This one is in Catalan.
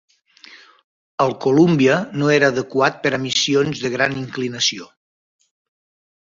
El "Columbia" no era adequat per a missions de gran inclinació.